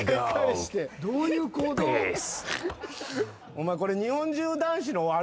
お前これ。